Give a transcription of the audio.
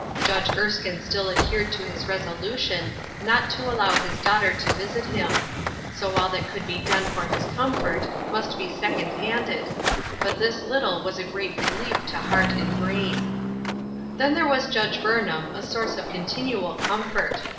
Judge Erskine still adhered to his resolution not to allow his daughter to visit him ; so all that could be done for his comfort must be second handed, but this little was a great relief to heart and brain. Looking for an Easy Yoke, 199 Then there was Judge Burnham, a source of continual comfort.